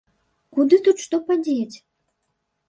Куды тут што падзець?